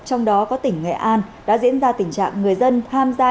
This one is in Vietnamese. trong đó có tỉnh nghệ an đã diễn ra tình trạng người dân tham gia